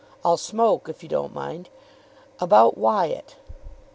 "I'll smoke, if you don't mind. About Wyatt."